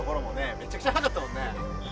めちゃくちゃ速かったもんね。